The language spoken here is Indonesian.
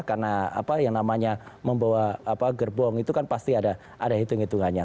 karena apa yang namanya membawa gerbong itu kan pasti ada hitung hitungannya